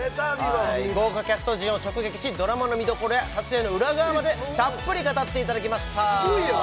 豪華キャスト陣を直撃しドラマの見どころや撮影の裏側までたっぷり語っていただきましたすごいやん！